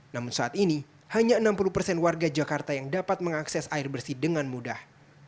namun saat ini hanya enam puluh persen warga jakarta yang dapat mengakses air bersih dengan mudah